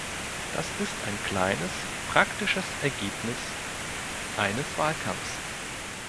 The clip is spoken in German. Das ist ein kleines praktisches Ergebnis eines Wahlkampfs.